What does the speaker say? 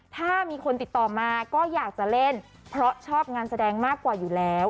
ถ้ามีคนติดต่อมาก็อยากจะเล่นเพราะชอบงานแสดงมากกว่าอยู่แล้ว